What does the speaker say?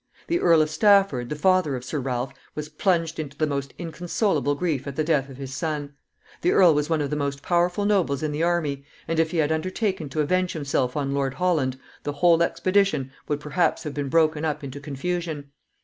The Earl of Stafford, the father of Sir Ralph, was plunged into the most inconsolable grief at the death of his son. The earl was one of the most powerful nobles in the army, and, if he had undertaken to avenge himself on Lord Holland, the whole expedition would perhaps have been broken up into confusion.